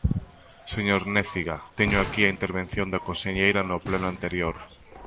Señor Néciga, teño aquí a intervención da conselleira no pleno anterior.